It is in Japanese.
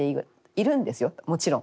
いるんですよもちろん。